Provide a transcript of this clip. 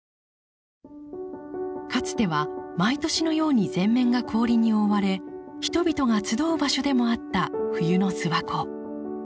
かつては毎年のように全面が氷に覆われ人々が集う場所でもあった冬の諏訪湖。